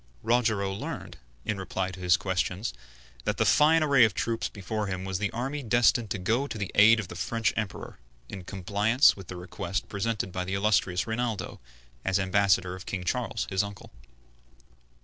Rogero learned, in reply to his questions, that the fine array of troops before him was the army destined to go to the aid of the French Emperor, in compliance with the request presented by the illustrious Rinaldo, as ambassador of King Charles, his uncle.